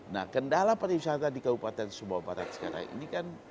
nah kendala pariwisata di kabupaten sumbawa barat sekarang ini kan